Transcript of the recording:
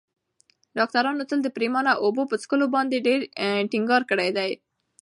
ډاکترانو تل د پرېمانه اوبو په څښلو باندې ډېر ټینګار کړی دی.